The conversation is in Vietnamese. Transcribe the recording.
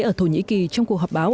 ở thổ nhĩ kỳ trong cuộc họp báo